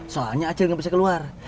soalnya acil gak bisa keluar